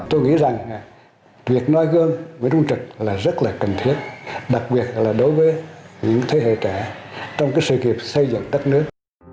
tôi nghĩ rằng việc nói gương với trung trực là rất là cần thiết đặc biệt là đối với những thế hệ trẻ trong sự nghiệp xây dựng đất nước